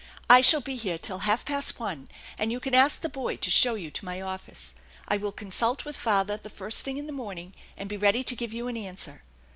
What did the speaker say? " I shall be here till half past one, and you can ask the boy to show you to my office. I will consult with father the first thing in the morning and be ready to give you an answer.